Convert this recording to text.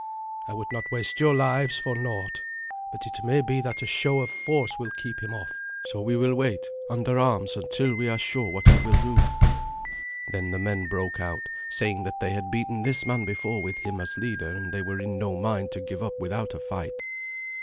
I would not waste your lives for naught. But it may be that a show of force will keep him off, so we will wait under arms until we are sure what he will do." Then the men broke out, saying that they had beaten this man before with him as leader, and they were in no mind to give up without a fight.